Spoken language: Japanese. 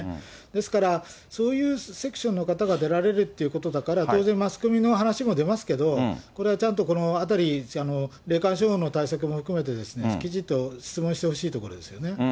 ですから、そういうセクションの方が出られるということだから、当然、マスコミも、話も出ますけど、これはちゃんとこのあたり、霊感商法の対策も含めて、きちっと説明してほしいところですよね。